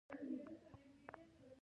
که یو سړی ښځه ونه لري داسې ښکاري.